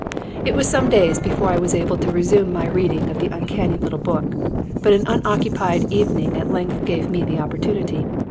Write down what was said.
It was some days before I was able to resume my reading of the uncanny little book, but an unoccupied evening at length gave me the opportunity.